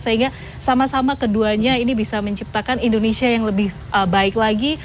sehingga sama sama keduanya ini bisa menciptakan indonesia yang lebih baik lagi